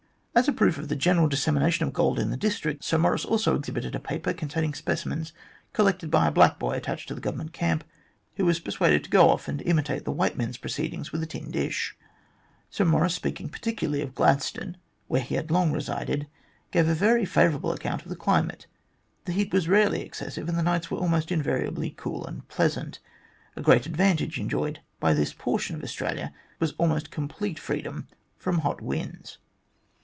As a proof of the general dissemination of gold in the district, Sir Maurice also exhibited a paper containing specimens collected by a black boy attached to the Government Camp, who was persuaded to go off and imitate the white men's proceedings with a tin dish. Sir Maurice, speaking particularly of Glad stone, where he had long resided, gave a very favourable account of the climate. The heat was rarely excessive, and the nights were almost invariably cool and pleasant. A great advantage enjoyed by this portion of Australia was almost complete freedom from hot winds.